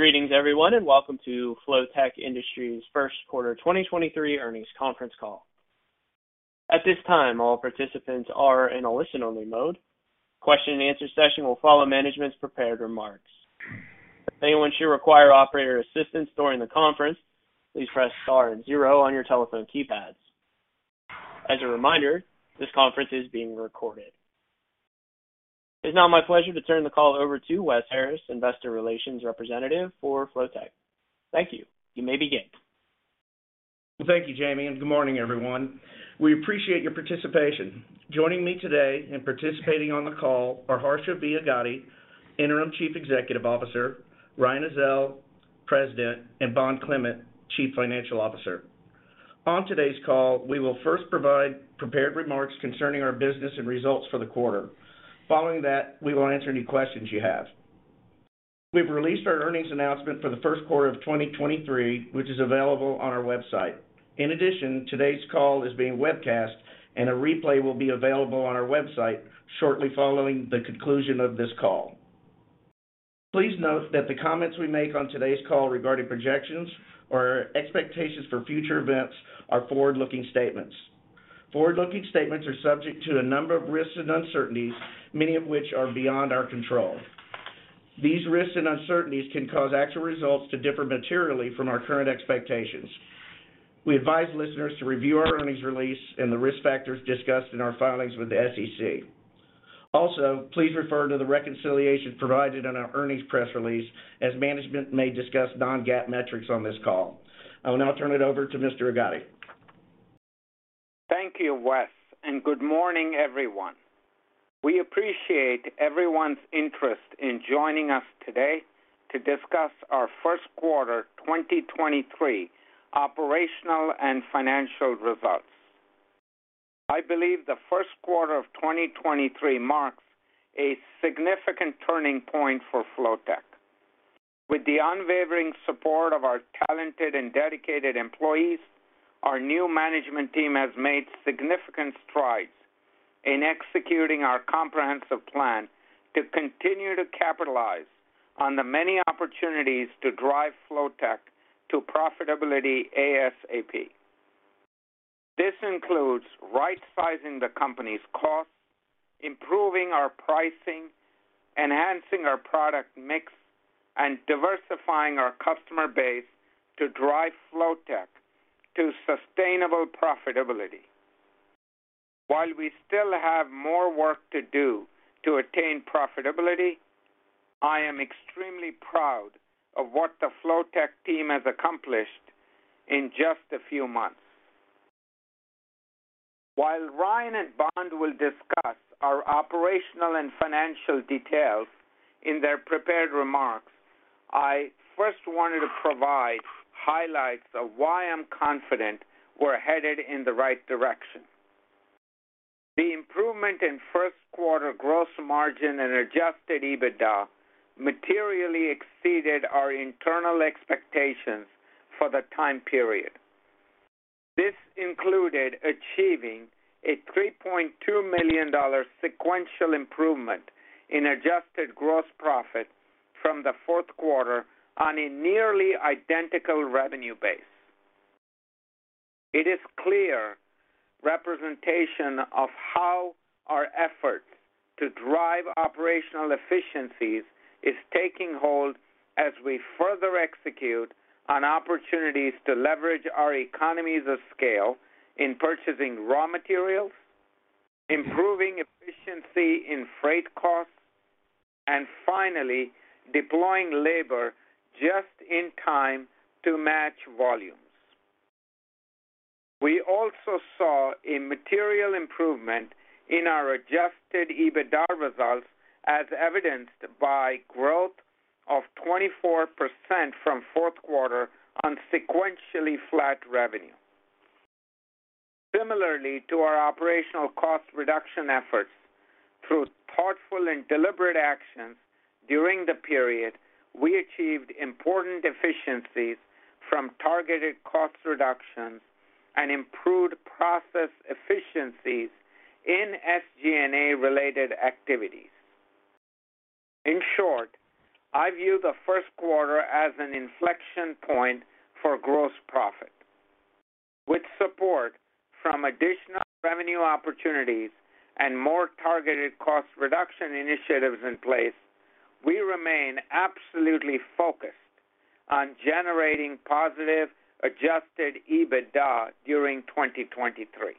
Greetings, everyone, welcome to Flotek Industries Q1 2023 Earnings Conference Call. At this time, all participants are in a listen-only mode. Question and answer session will follow management's prepared remarks. If anyone should require operator assistance during the conference, please press star and zero on your telephone keypads. As a reminder, this conference is being recorded. It's now my pleasure to turn the call over to Wes Harris, investor relations representative for Flotek. Thank you. You may begin. Well, thank you, Jamie. Good morning, everyone. We appreciate your participation. Joining me today and participating on the call are Harsha Agadi, Interim Chief Executive Officer, Ryan Ezell, President, and Bond Clement, Chief Financial Officer. On today's call, we will first provide prepared remarks concerning our business and results for the quarter. Following that, we will answer any questions you have. We've released our earnings announcement for the Q1 of 2023, which is available on our website. Today's call is being webcast. A replay will be available on our website shortly following the conclusion of this call. Please note that the comments we make on today's call regarding projections or expectations for future events are forward-looking statements. Forward-looking statements are subject to a number of risks and uncertainties, many of which are beyond our control. These risks and uncertainties can cause actual results to differ materially from our current expectations. We advise listeners to review our earnings release and the risk factors discussed in our filings with the SEC. Please refer to the reconciliation provided in our earnings press release as management may discuss non-GAAP metrics on this call. I will now turn it over to Mr. Agadi. Thank you, Wes, and good morning, everyone. We appreciate everyone's interest in joining us today to discuss our Q1 2023 operational and financial results. I believe the Q1 of 2023 marks a significant turning point for Flotek. With the unwavering support of our talented and dedicated employees, our new management team has made significant strides in executing our comprehensive plan to continue to capitalize on the many opportunities to drive Flotek to profitability ASAP. This includes right-sizing the company's costs, improving our pricing, enhancing our product mix, and diversifying our customer base to drive Flotek to sustainable profitability. While we still have more work to do to attain profitability, I am extremely proud of what the Flotek team has accomplished in just a few months. While Ryan and Bond will discuss our operational and financial details in their prepared remarks, I first wanted to provide highlights of why I'm confident we're headed in the right direction. The improvement in Q1 gross margin and adjusted EBITDA materially exceeded our internal expectations for the time period. This included achieving a $3.2 million sequential improvement in adjusted gross profit from the Q4 on a nearly identical revenue base. It is clear representation of how our efforts to drive operational efficiencies is taking hold as we further execute on opportunities to leverage our economies of scale in purchasing raw materials, improving efficiency in freight costs, and finally, deploying labor just in time to match volumes. We also saw a material improvement in our adjusted EBITDA results as evidenced by growth of 24% from Q4 on sequentially flat revenue. Similarly to our operational cost reduction efforts, through thoughtful and deliberate actions during the period, we achieved important efficiencies from targeted cost reductions and improved process efficiencies in SG&A related activities. In short, I view the Q1 as an inflection point for gross profit. With support from additional revenue opportunities and more targeted Cost Reduction Initiatives in place, we remain absolutely focused on generating positive adjusted EBITDA during 2023.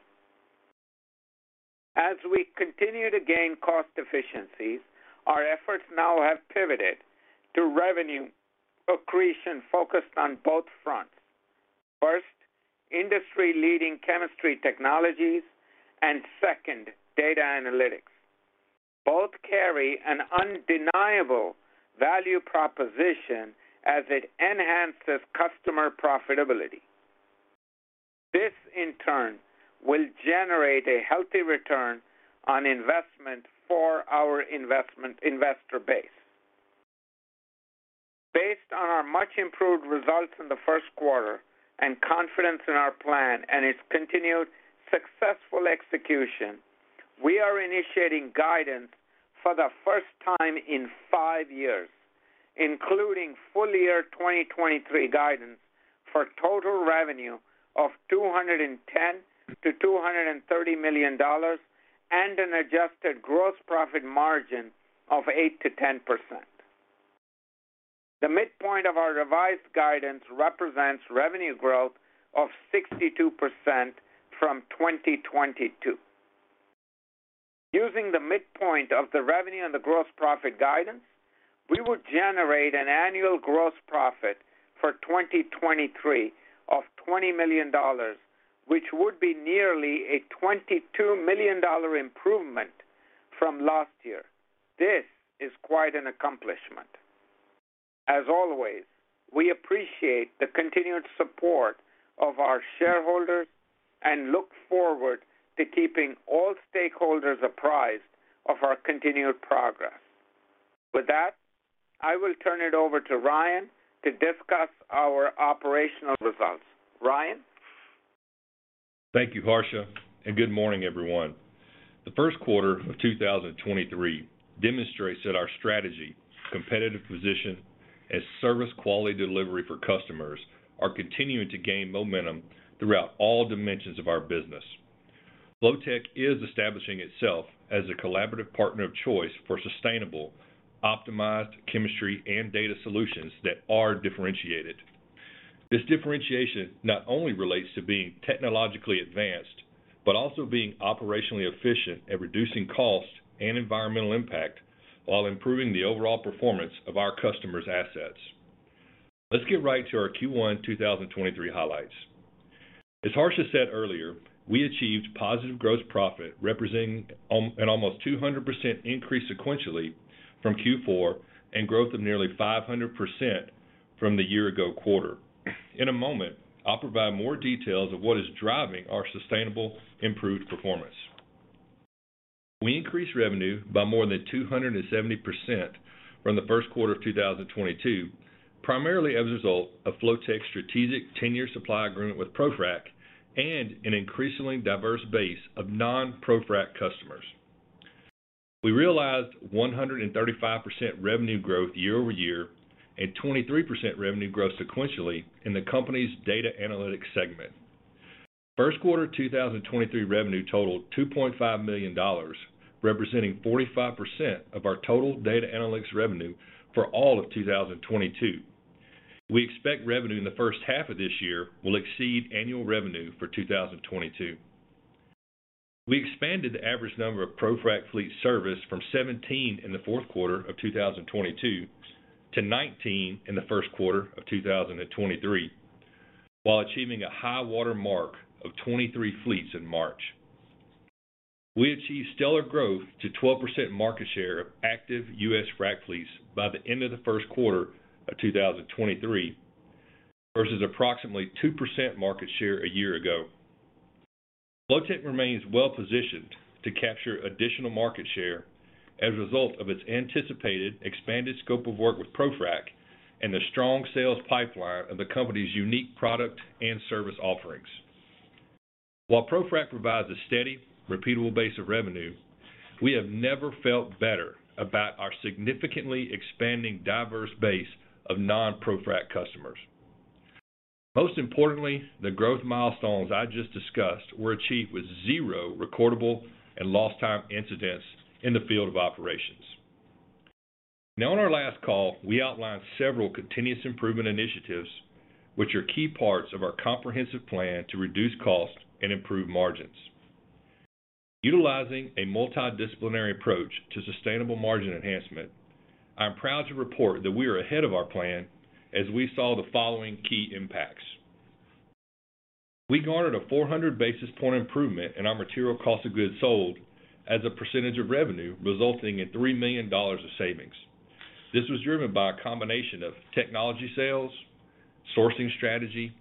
As we continue to gain cost efficiencies, our efforts now have pivoted to revenue accretion focused on both fronts. First, industry-leading chemistry technologies, and second, data analytics. Both carry an undeniable value proposition as it enhances customer profitability. This in turn will generate a healthy return on investment for our investor base. Based on our much improved results in the Q1 and confidence in our plan and its continued successful execution. We are initiating guidance for the first time in 5 years, including full year 2023 guidance for total revenue of $210 million-$230 million and an adjusted gross profit margin of 8%-10%. The midpoint of our revised guidance represents revenue growth of 62% from 2022. Using the midpoint of the revenue and the gross profit guidance, we would generate an annual gross profit for 2023 of $20 million, which would be nearly a $22 million improvement from last year. This is quite an accomplishment. As always, we appreciate the continued support of our shareholders and look forward to keeping all stakeholders apprised of our continued progress. With that, I will turn it over to Ryan to discuss our operational results. Ryan. Thank you, Harsha, and good morning, everyone. The Q1 of 2023 demonstrates that our strategy, competitive position, and service quality delivery for customers are continuing to gain momentum throughout all dimensions of our business. Flotek is establishing itself as a collaborative partner of choice for sustainable, optimized chemistry and data solutions that are differentiated. This differentiation not only relates to being technologically advanced, but also being operationally efficient at reducing costs and environmental impact while improving the overall performance of our customers' assets. Let's get right to our Q1, 2023 highlights. As Harsha said earlier, we achieved Positive Gross Profit, representing an almost 200% increase sequentially from Q4 and growth of nearly 500% from the year ago quarter. In a moment, I'll provide more details of what is driving our sustainable improved performance. We increased revenue by more than 270% from the Q1 of 2022, primarily as a result of Flotek's strategic 10-year supply agreement with ProFrac and an increasingly diverse base of non-ProFrac customers. We realized 135% revenue growth year-over-year and 23% revenue growth sequentially in the company's data analytics segment. Q1 2023 revenue totaled $2.5 million, representing 45% of our Total Data Analytics Revenue for all of 2022. We expect revenue in the first half of this year will exceed annual revenue for 2022. We expanded the average number of ProFrac fleet service from 17 in the Q4 of 2022 to 19 in the Q1 of 2023, while achieving a high-water mark of 23 fleets in March. We achieved stellar growth to 12% market share of active U.S. frac fleets by the end of the Q1 of 2023 versus approximately 2% market share a year ago. Flotek remains well-positioned to capture additional market share as a result of its anticipated expanded scope of work with ProFrac and the strong sales pipeline of the company's unique product and service offerings. While ProFrac provides a steady, repeatable base of revenue, we have never felt better about our significantly expanding diverse base of non-ProFrac customers. Most importantly, the growth milestones I just discussed were achieved with zero recordable and lost time incidents in the field of operations. In our last call, we outlined several continuous improvement initiatives which are key parts of our comprehensive plan to reduce costs and improve margins. Utilizing a multidisciplinary approach to sustainable margin enhancement, I'm proud to report that we are ahead of our plan as we saw the following key impacts. We garnered a 400 basis point improvement in our material cost of goods sold as a percentage of revenue, resulting in $3 million of savings. This was driven by a combination of technology sales, sourcing strategy,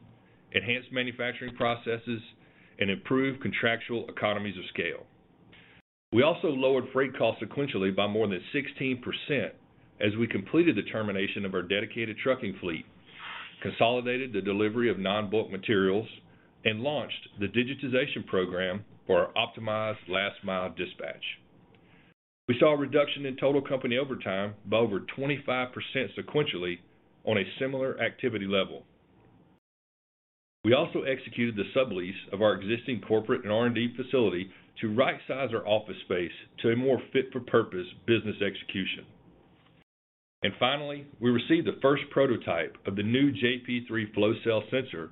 enhanced manufacturing processes, and improved contractual economies of scale. We also lowered freight costs sequentially by more than 16% as we completed the termination of our dedicated trucking fleet, consolidated the delivery of non-book materials, and launched the digitization program for our optimized last-mile dispatch. We saw a reduction in total company overtime by over 25% sequentially on a similar activity level. We also executed the sublease of our existing corporate and R&D facility to Right-size our office space to a more fit-for-purpose business execution. Finally, we received the first prototype of the new JP3 flow cell sensor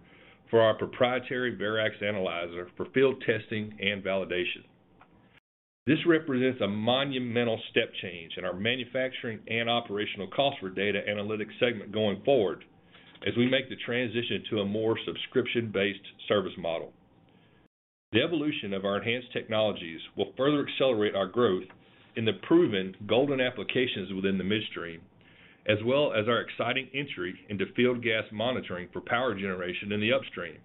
for our proprietary Verax Analyzer for field testing and validation. This represents a monumental step change in our manufacturing and operational cost for data analytics segment going forward as we make the transition to a more subscription-based service model. The evolution of our enhanced technologies will further accelerate our growth in the proven golden applications within the midstream, as well as our exciting entry into field gas monitoring for power generation in the upstream.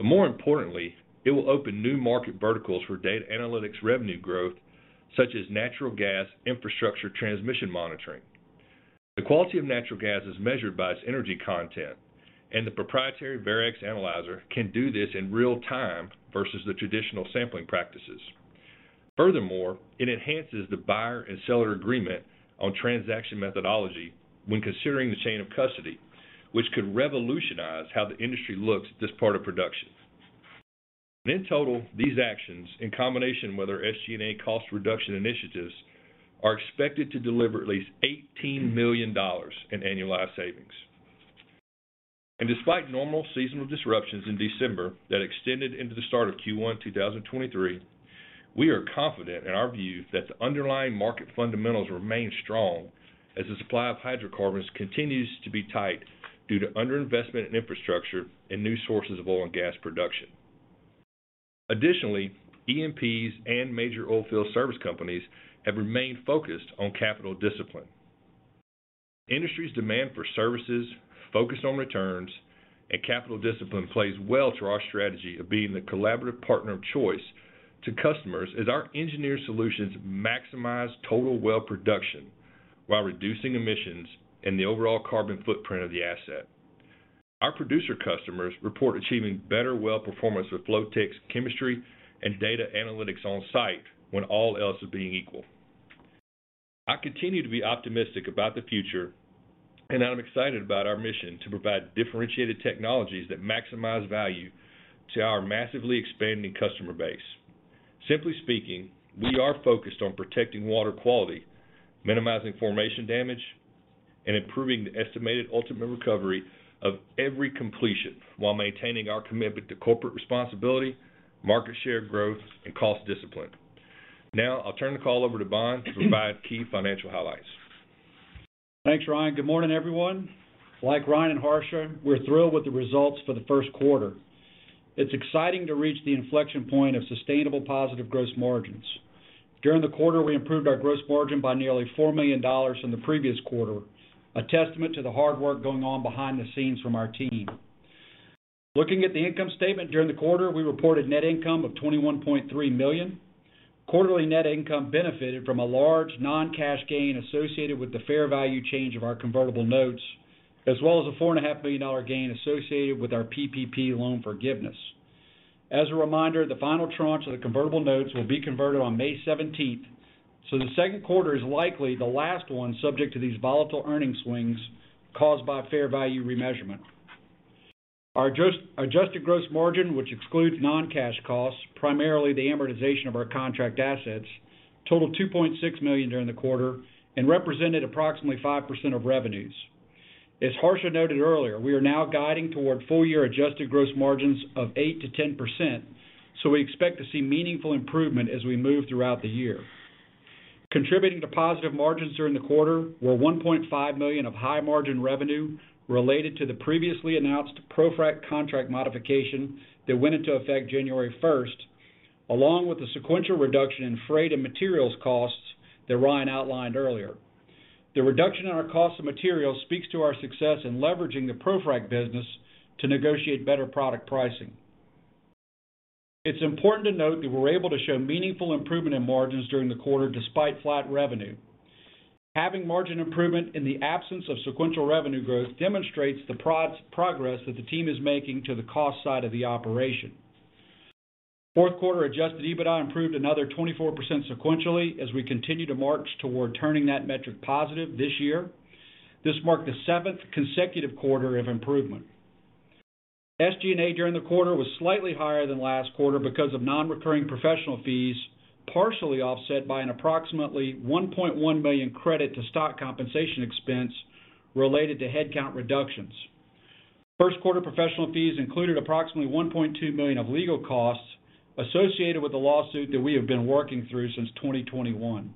More importantly, it will open new market verticals for data analytics revenue growth, such as natural gas infrastructure transmission monitoring. The quality of natural gas is measured by its energy content, and the proprietary Verax Analyzer can do this in real time versus the traditional sampling practices. Furthermore, it enhances the buyer and seller agreement on transaction methodology when considering the chain of custody, which could revolutionize how the industry looks at this part of production. In total, these actions, in combination with our SG&A cost reduction initiatives, are expected to deliver at least $18 million in annualized savings. Despite normal seasonal disruptions in December that extended into the start of Q1 2023, we are confident in our view that the underlying market fundamentals remain strong as the supply of hydrocarbons continues to be tight due to underinvestment in infrastructure and new sources of oil and gas production. Additionally, E&Ps and major oilfield service companies have remained focused on capital discipline. The industry's demand for services focused on returns and capital discipline plays well to our strategy of being the collaborative partner of choice to customers as our engineered solutions maximize total well production while reducing emissions and the overall carbon footprint of the asset. Our producer customers report achieving better well performance with Flotek's chemistry and data analytics on site when all else is being equal. I continue to be optimistic about the future, and I'm excited about our mission to provide differentiated technologies that maximize value to our massively expanding customer base. Simply speaking, we are focused on protecting water quality, minimizing formation damage, and improving the estimated ultimate recovery of every completion while maintaining our commitment to corporate responsibility, market share growth, and cost discipline. I'll turn the call over to Bond to provide key financial highlights. Thanks, Ryan. Good morning, everyone. Like Ryan and Harsha, we're thrilled with the results for the Q1. It's exciting to reach the inflection point of sustainable positive gross margins. During the quarter, we improved our gross margin by nearly $4 million from the previous quarter, a testament to the hard work going on behind the scenes from our team. Looking at the income statement during the quarter, we reported net income of $21.3 million. Quarterly net income benefited from a large non-cash gain associated with the fair value change of our convertible notes, as well as a four and a half million dollar gain associated with our PPP Loan Forgiveness. As a reminder, the final tranche of the convertible notes will be converted on May 17th. The Q2 is likely the last one subject to these volatile earnings swings caused by fair value remeasurement. Our adjusted gross margin, which excludes non-cash costs, primarily the amortization of our contract assets, totaled $2.6 million during the quarter and represented approximately 5% of revenues. As Harsha noted earlier, we are now guiding toward full-year adjusted gross margins of 8%-10%. We expect to see meaningful improvement as we move throughout the year. Contributing to positive margins during the quarter were $1.5 million of high margin revenue related to the previously announced ProFrac contract modification that went into effect January first, along with the sequential reduction in freight and materials costs that Ryan outlined earlier. The reduction in our cost of materials speaks to our success in leveraging the ProFrac business to negotiate better product pricing. It's important to note that we're able to show meaningful improvement in margins during the quarter despite flat revenue. Having margin improvement in the absence of sequential revenue growth demonstrates the progress that the team is making to the cost side of the operation. Q4 adjusted EBITDA improved another 24% sequentially as we continue to march toward turning that metric positive this year. This marked the seventh consecutive quarter of improvement. SG&A during the quarter was slightly higher than last quarter because of non-recurring professional fees, partially offset by an approximately $1.1 million credit to stock compensation expense related to headcount reductions. Q1 professional fees included approximately $1.2 million of legal costs associated with the lawsuit that we have been working through since 2021.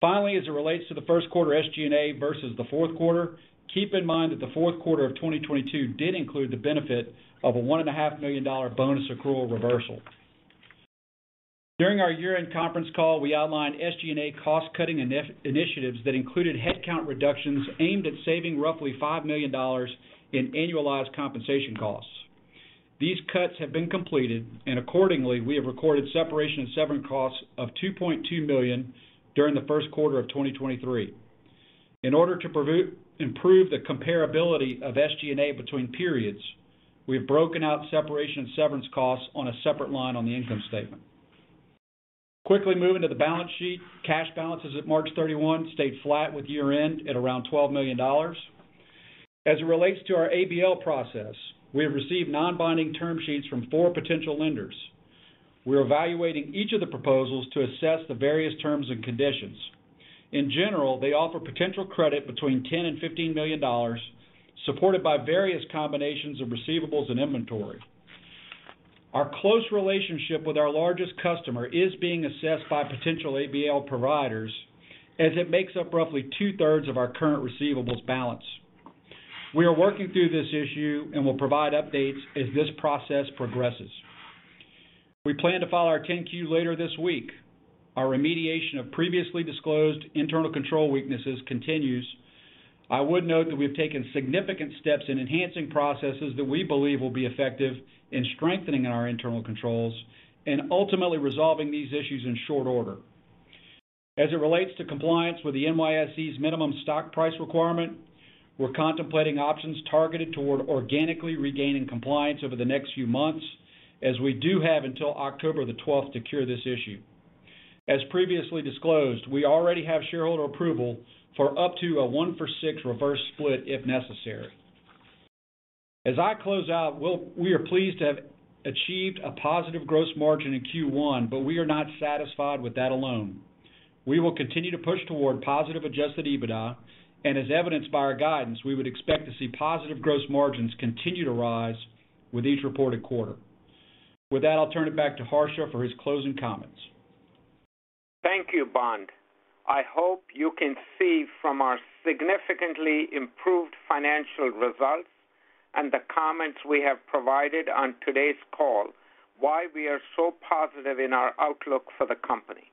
Finally, as it relates to the Q1 SG&A versus the Q4, keep in mind that the Q4 of 2022 did include the benefit of a one and a half million dollar bonus accrual reversal. During our year-end conference call, we outlined SG&A cost-cutting initiatives that included headcount reductions aimed at saving roughly $5 million in annualized compensation costs. These cuts have been completed, and accordingly, we have recorded separation and severance costs of $2.2 million during the Q1 of 2023. In order to improve the comparability of SG&A between periods, we have broken out separation and severance costs on a separate line on the income statement. Quickly moving to the balance sheet, cash balances at March 31 stayed flat with year-end at around $12 million. As it relates to our ABL process, we have received non-binding term sheets from four potential lenders. We're evaluating each of the proposals to assess the various terms and conditions. In general, they offer potential credit between $10 million and $15 million, supported by various combinations of receivables and inventory. Our close relationship with our largest customer is being assessed by potential ABL providers as it makes up roughly two-thirds of our current receivables balance. We are working through this issue and will provide updates as this process progresses. We plan to file our 10-Q later this week. Our remediation of previously disclosed internal control weaknesses continues. I would note that we've taken significant steps in enhancing processes that we believe will be effective in strengthening our internal controls and ultimately resolving these issues in short order. As it relates to compliance with the NYSE's minimum stock price requirement, we're contemplating options targeted toward organically regaining compliance over the next few months, as we do have until October 12th to cure this issue. As previously disclosed, we already have shareholder approval for up to a 1 for 6 reverse split if necessary. As I close out, we are pleased to have achieved a positive gross margin in Q1. We are not satisfied with that alone. We will continue to push toward positive adjusted EBITDA. As evidenced by our guidance, we would expect to see positive gross margins continue to rise with each reported quarter. With that, I'll turn it back to Harsha for his closing comments. Thank you, Bond. I hope you can see from our significantly improved financial results and the comments we have provided on today's call why we are so positive in our outlook for the company.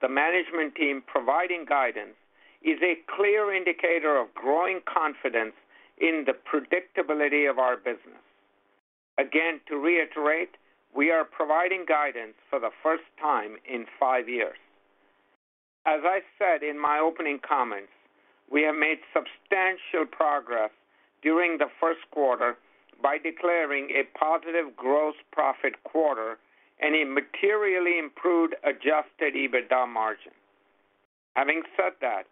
The management team providing guidance is a clear indicator of growing confidence in the predictability of our business. Again, to reiterate, we are providing guidance for the 1st time in 5 years. As I said in my opening comments, we have made substantial progress during the 1st quarter by declaring a Positive Gross Profit quarter and a materially improved adjusted EBITDA margin. Having said that,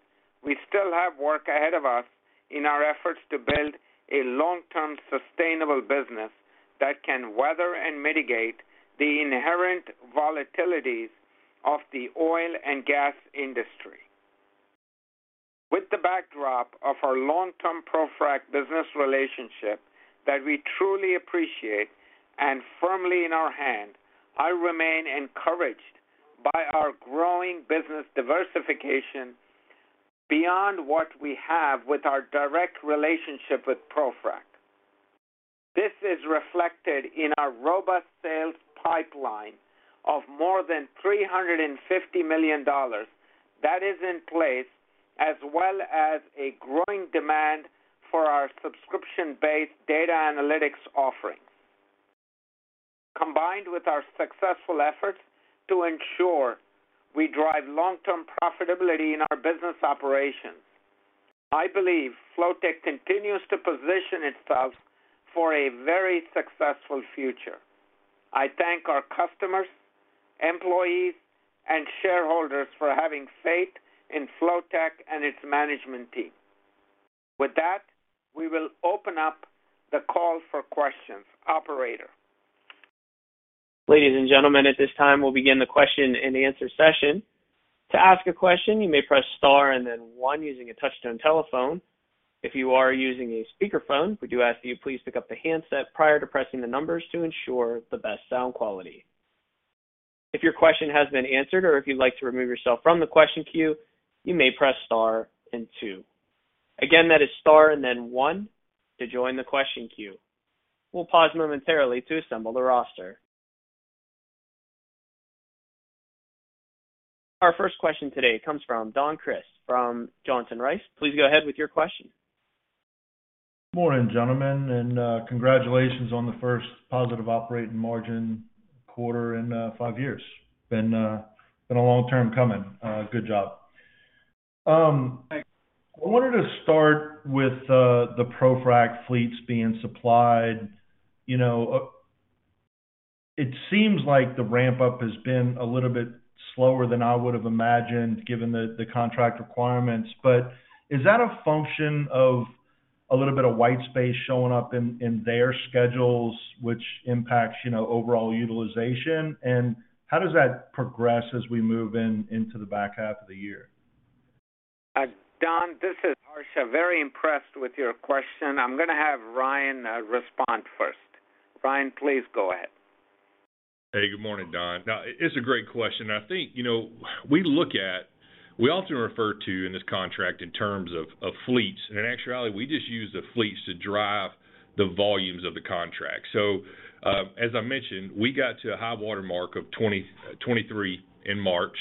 we still have work ahead of us in our efforts to build a long-term sustainable business that can weather and mitigate the inherent volatilities of the oil and gas industry. With the backdrop of our long-term ProFrac business relationship that we truly appreciate and firmly in our hand, I remain encouraged by our growing business diversification beyond what we have with our direct relationship with ProFrac. This is reflected in our robust sales pipeline of more than $350 million that is in place, as well as a growing demand for our subscription-based data analytics offerings. Combined with our successful efforts to ensure we drive long-term profitability in our business operations, I believe Flotek continues to position itself for a very successful future. I thank our customers, employees, and shareholders for having faith in Flotek and its management team. With that, we will open up the call for questions. Operator. Ladies and gentlemen, at this time, we'll begin the question and answer session. To ask a question, you may press star and then 1 using a touch-tone telephone. If you are using a speakerphone, we do ask that you please pick up the handset prior to pressing the numbers to ensure the best sound quality. If your question has been answered or if you'd like to remove yourself from the question queue, you may press star and 2. Again, that is star and then 1 to join the question queue. We'll pause momentarily to assemble the roster. Our first question today comes from Don Crist from Johnson Rice. Please go ahead with your question. Morning, gentlemen, and congratulations on the first positive operating margin quarter in 5 years. Been a long term coming. Good job. I wanted to start with the ProFrac fleets being supplied. You know, it seems like the ramp up has been a little bit slower than I would have imagined given the contract requirements. Is that a function of a little bit of white space showing up in their schedules, which impacts, you know, overall utilization? How does that progress as we move into the back half of the year? Don, this is Harsha. Very impressed with your question. I'm gonna have Ryan respond first. Ryan, please go ahead. Hey, good morning, Don. No, it's a great question. I think, you know, we often refer to in this contract in terms of fleets. In actuality, we just use the fleets to drive the volumes of the contract. As I mentioned, we got to a high-water mark of 23 in March,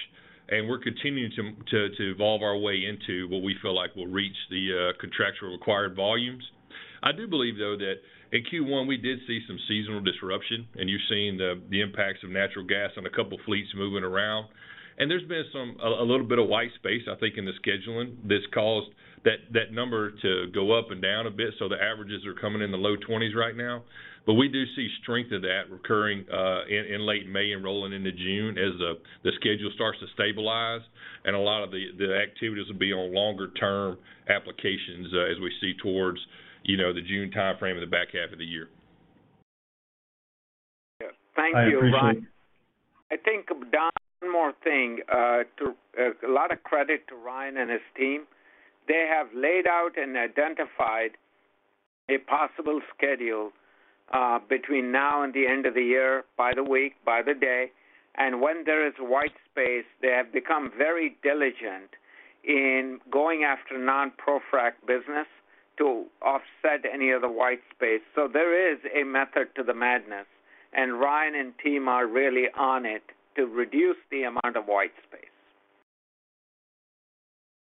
and we're continuing to evolve our way into what we feel like will reach the contractual required volumes. I do believe, though, that in Q1 we did see some seasonal disruption, and you've seen the impacts of natural gas on a couple fleets moving around. There's been a little bit of white space, I think, in the scheduling that's caused that number to go up and down a bit. The averages are coming in the low 20s right now. We do see strength of that recurring in late May and rolling into June as the schedule starts to stabilize and a lot of the activities will be on longer term applications as we see towards, you know, the June timeframe and the back half of the year. Yeah. Thank you, Ryan. I appreciate it. I think, Don, one more thing. A lot of credit to Ryan and his team. They have laid out and identified a possible schedule between now and the end of the year by the week, by the day. When there is white space, they have become very diligent in going after non ProFrac business to offset any of the white space. There is a method to the madness, and Ryan and team are really on it to reduce the amount of white space.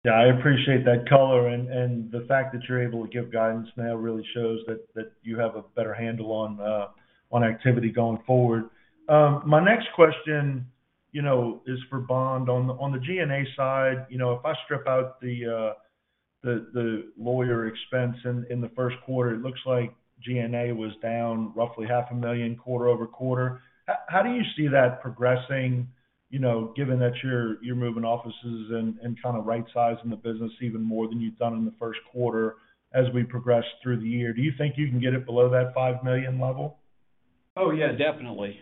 Yeah, I appreciate that color and the fact that you're able to give guidance now really shows that you have a better handle on activity going forward. My next question, you know, is for Bond. On the G&A side, you know, if I strip out the lawyer expense in the Q1, it looks like G&A was down roughly half a million quarter-over-quarter. How do you see that progressing, you know, given that you're moving offices and kind of right-sizing the business even more than you've done in the Q1 as we progress through the year? Do you think you can get it below that $5 million level? Yeah, definitely,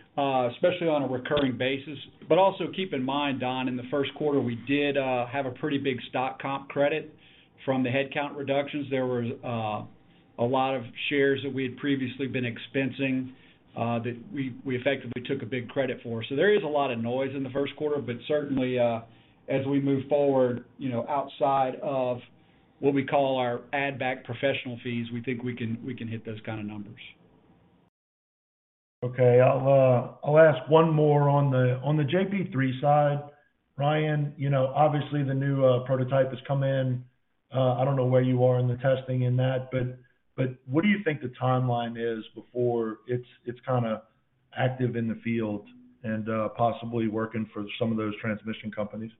especially on a recurring basis. Also keep in mind, Don, in the Q1, we did have a pretty big stock comp credit from the headcount reductions. There were a lot of shares that we had previously been expensing that we effectively took a big credit for. There is a lot of noise in the Q1. Certainly, as we move forward, you know, outside of what we call our Add-back Professional Fees, we think we can hit those kind of numbers. Okay. I'll ask one more. On the JP3 side, Ryan, you know, obviously the new prototype has come in. I don't know where you are in the testing in that, but what do you think the timeline is before it's kinda active in the field and possibly working for some of those transmission companies?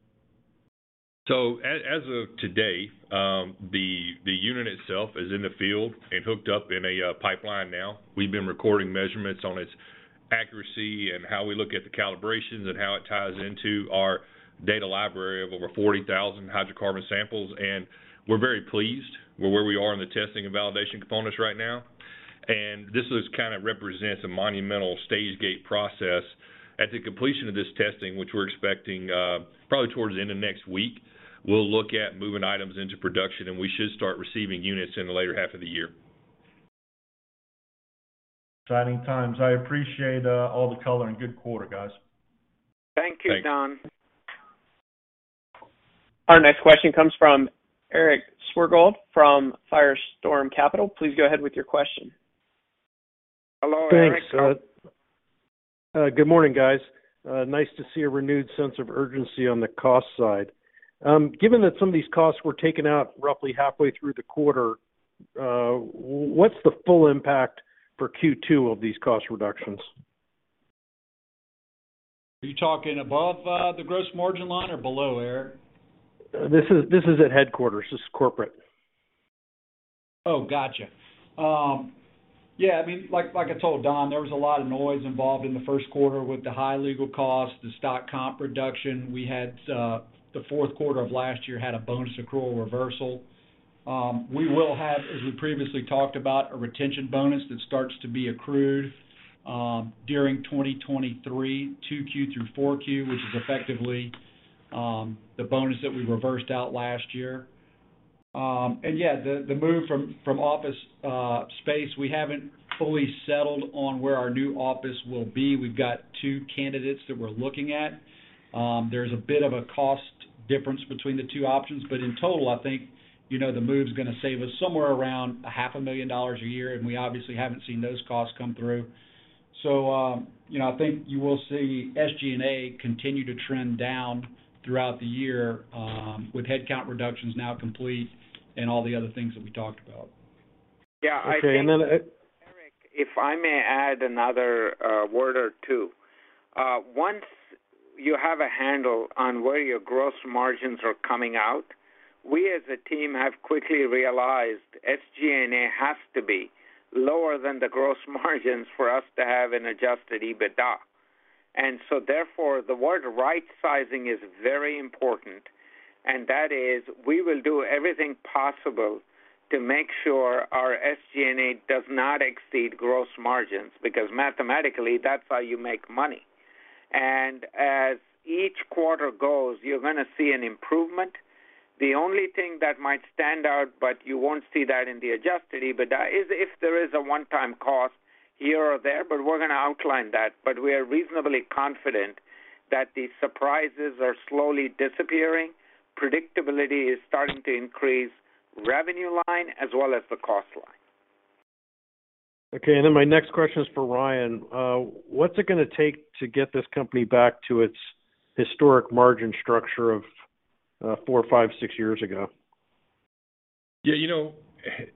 As of today, the unit itself is in the field and hooked up in a pipeline now. We've been recording measurements on its accuracy and how we look at the calibrations and how it ties into our data library of over 40,000 hydrocarbon samples. We're very pleased with where we are in the testing and validation components right now. This is kind of represents a monumental stage gate process. At the completion of this testing, which we're expecting, probably towards the end of next week, we'll look at moving items into production, and we should start receiving units in the latter half of the year. Exciting times. I appreciate all the color and good quarter, guys. Thank you, Don. Thanks. Our next question comes from Eric Swergold from Firestorm Capital. Please go ahead with your question. Hello, Eric. Thanks. Good morning, guys. Nice to see a renewed sense of urgency on the cost side. Given that some of these costs were taken out roughly halfway through the quarter, what's the full impact for Q2 of these cost reductions? Are you talking above the gross margin line or below, Eric? This is at headquarters. This is corporate. Gotcha. Yeah, I mean, like I told Don, there was a lot of noise involved in the 1st quarter with the high legal costs, the stock comp reduction. We had the 4th quarter of last year had a bonus accrual reversal. We will have, as we previously talked about, a retention bonus that starts to be accrued during 2023, 2Q through 4Q, which is effectively the bonus that we reversed out last year. Yeah, the move from office space, we haven't fully settled on where our new office will be. We've got 2 candidates that we're looking at. There's a bit of a cost difference between the two options, in total, I think, you know, the move's gonna save us somewhere around a half a million dollars a year, and we obviously haven't seen those costs come through. I think you will see SG&A continue to trend down throughout the year, with headcount reductions now complete and all the other things that we talked about. Yeah. Okay. Eric, if I may add another word or two. Once you have a handle on where your gross margins are coming out, we as a team have quickly realized SG&A has to be lower than the gross margins for us to have an adjusted EBITDA. Therefore, the word right-sizing is very important, and that is, we will do everything possible to make sure our SG&A does not exceed gross margins, because mathematically, that's how you make money. As each quarter goes, you're gonna see an improvement. The only thing that might stand out, but you won't see that in the adjusted EBITDA, is if there is a one-time cost here or there, but we're gonna outline that. We are reasonably confident that the surprises are slowly disappearing. Predictability is starting to increase revenue line as well as the cost line. Okay. Then my next question is for Ryan. What's it gonna take to get this company back to its historic margin structure of, four, five, six years ago? Yeah, you know,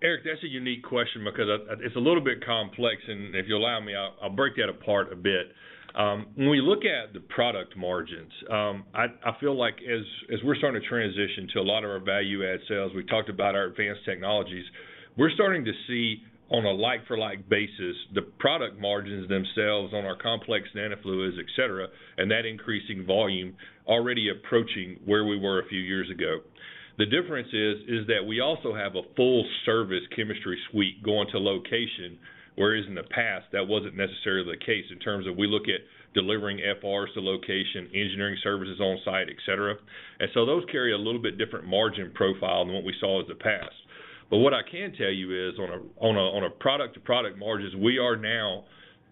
Eric, that's a unique question because it's a little bit complex. If you allow me, I'll break that apart a bit. When we look at the product margins, I feel like as we're starting to transition to a lot of our value add sales, we talked about our advanced technologies. We're starting to see on a like for like basis, the product margins themselves on our complex nanofluids, et cetera, and that increasing volume already approaching where we were a few years ago. The difference is that we also have a full service chemistry suite going to location, whereas in the past, that wasn't necessarily the case in terms of we look at delivering FRs to location, engineering services on site, et cetera. Those carry a little bit different margin profile than what we saw in the past. What I can tell you is on a product to product margins, we are now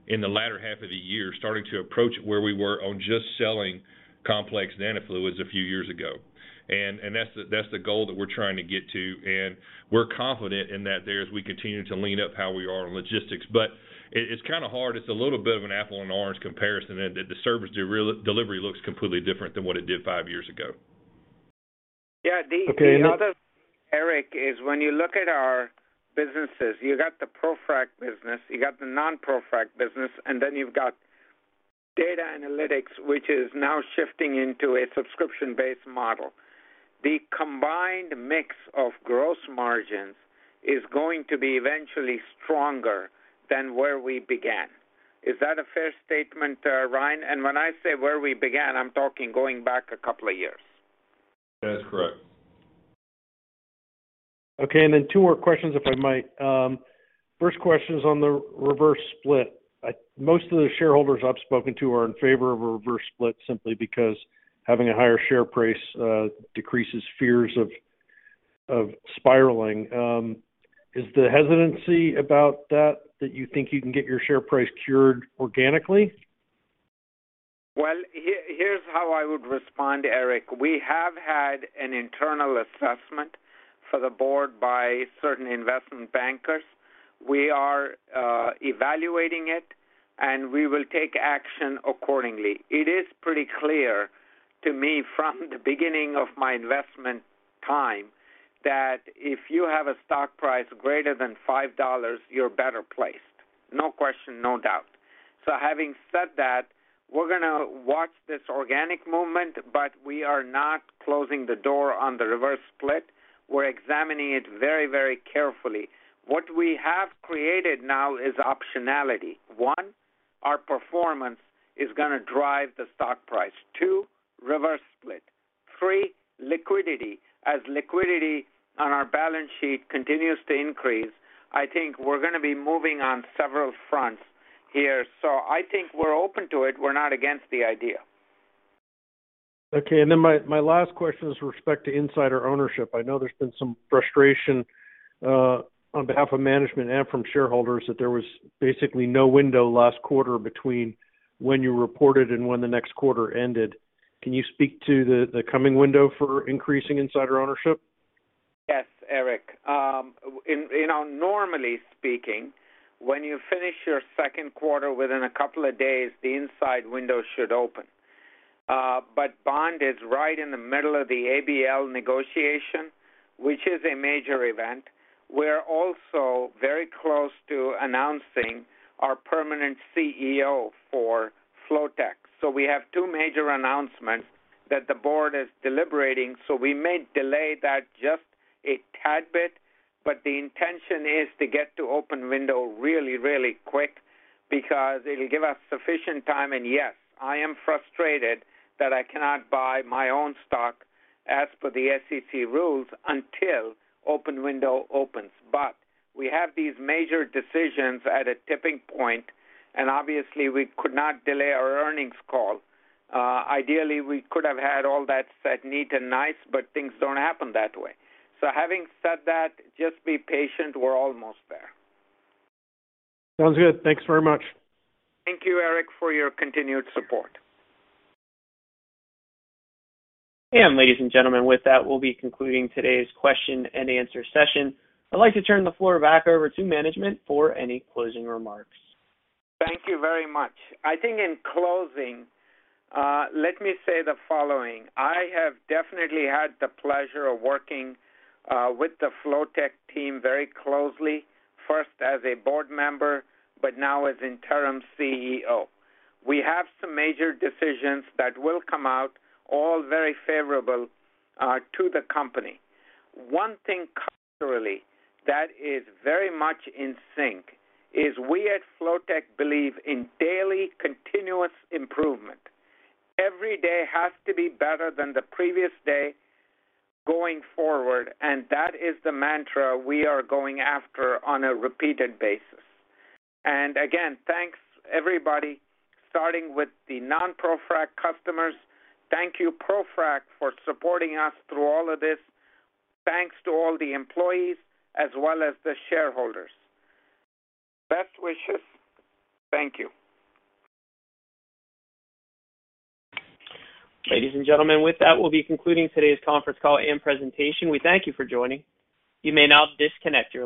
in the latter half of the year, starting to approach where we were on just selling complex nanofluids a few years ago. That's the goal that we're trying to get to, and we're confident in that there as we continue to lean up how we are on logistics. It's kind of hard. It's a little bit of an apple and orange comparison in that the service delivery looks completely different than what it did 5 years ago. Yeah. Okay. The other, Eric, is when you look at our businesses, you got the ProFrac business, you got the non-ProFrac business, and then you've got data analytics, which is now shifting into a subscription-based model. The combined mix of gross margins is going to be eventually stronger than where we began. Is that a fair statement, Ryan? When I say where we began, I'm talking going back a couple of years. That's correct. Okay. 2 more questions, if I might. First question is on the reverse split. Most of the shareholders I've spoken to are in favor of a reverse split simply because having a higher share price decreases fears of spiraling. Is the hesitancy about that that you think you can get your share price cured organically? Here's how I would respond, Eric. We have had an internal assessment for the board by certain investment bankers. We are evaluating it, and we will take action accordingly. It is pretty clear to me from the beginning of my investment time that if you have a stock price greater than $5, you're better placed. No question, no doubt. Having said that, we're gonna watch this organic movement, but we are not closing the door on the reverse split. We're examining it very, very carefully. What we have created now is optionality. One, our performance is gonna drive the stock price. Two, reverse split. Three, liquidity. As liquidity on our balance sheet continues to increase, I think we're gonna be moving on several fronts here. I think we're open to it. We're not against the idea. Okay. My last question is with respect to insider ownership. I know there's been some frustration on behalf of management and from shareholders that there was basically no window last quarter between when you reported and when the next quarter ended. Can you speak to the coming window for increasing insider ownership? Yes, Eric. You know, normally speaking, when you finish your Q2 within a couple of days, the inside window should open. Bond is right in the middle of the ABL negotiation, which is a major event. We're also very close to announcing our permanent CEO for Flotek. We have two major announcements that the Board is deliberating. We may delay that just a tad bit, but the intention is to get to open window really, really quick because it'll give us sufficient time. Yes, I am frustrated that I cannot buy my own stock as per the SEC rules until open window opens. We have these major decisions at a tipping point, and obviously, we could not delay our earnings call. Ideally, we could have had all that said neat and nice, but things don't happen that way. Having said that, just be patient, we're almost there. Sounds good. Thanks very much. Thank you, Eric, for your continued support. Ladies and gentlemen, with that, we'll be concluding today's question and answer session. I'd like to turn the floor back over to management for any closing remarks. Thank you very much. I think in closing, let me say the following: I have definitely had the pleasure of working with the Flotek team very closely, first as a board member, but now as interim CEO. We have some major decisions that will come out all very favorable to the company. One thing culturally that is very much in sync is we at Flotek believe in daily continuous improvement. Every day has to be better than the previous day going forward, that is the mantra we are going after on a repeated basis. Again, thanks everybody, starting with the non-ProFrac customers. Thank you ProFrac for supporting us through all of this. Thanks to all the employees as well as the shareholders. Best wishes. Thank you. Ladies and gentlemen, with that, we'll be concluding today's conference call and presentation. We thank you for joining. You may now disconnect your lines.